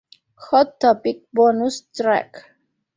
Hot Topic Bonus Track